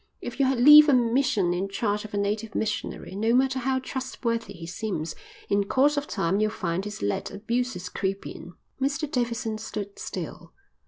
If you leave a mission in charge of a native missionary, no matter how trustworthy he seems, in course of time you'll find he's let abuses creep in." Mr Davidson stood still.